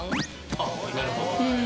あなるほど。